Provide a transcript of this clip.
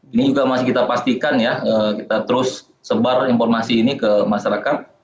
ini juga masih kita pastikan ya kita terus sebar informasi ini ke masyarakat